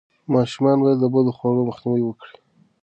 ماشومان باید د بدخواړو مخنیوی وکړي.